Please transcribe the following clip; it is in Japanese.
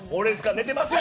寝てますよ！